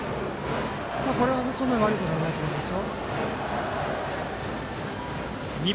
これは、そんなに悪いことではないと思います。